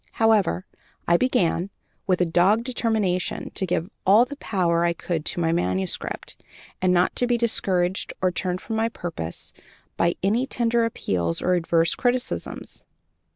However, I began, with a dogged determination to give all the power I could to my manuscript, and not to be discouraged or turned from my purpose by any tender appeals or adverse criticisms.